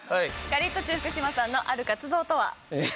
ガリットチュウ福島さんのある活動とは？